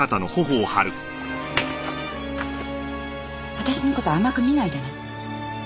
私の事甘く見ないでね。